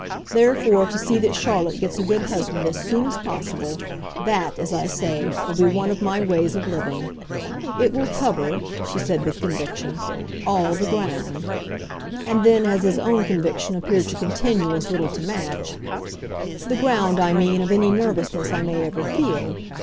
Therefore to see that Charlotte gets a good husband as soon as possible that, as I say, will be one of my ways of living. It will cover," she said with conviction, "all the ground." And then as his own conviction appeared to continue as little to match: "The ground, I mean, of any nervousness I may ever feel.